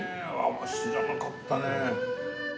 知らなかったね。